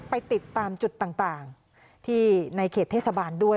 ไปติดตามจุดต่างที่ในเขตเทศบาลด้วย